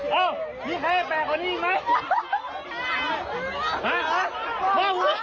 โอ้ยนี่แพ้แปลกกว่านี้ไหม